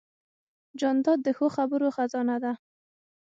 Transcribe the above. جانداد د ښو خبرو خزانه ده.